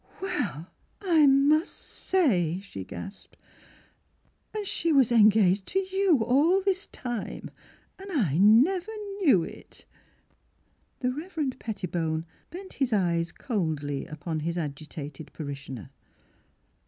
*'Well, I must say!'' she gasped. And she was engaged to you all this time and I never knew it!" The Rev. Pettibone bent his eyes coldly upon his agitated parishioner.